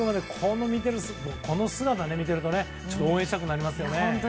この姿を見ていると応援したくなりますね。